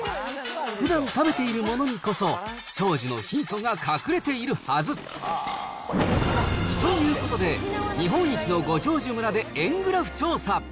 ふだん食べているものにこそ、長寿のヒントが隠れているはず。ということで、日本一のご長寿村で円グラフ調査。